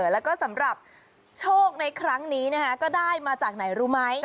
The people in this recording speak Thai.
แล้วก็สำหรับโชคในครั้งนี้ก็ได้มาจากไหนรู้ไหม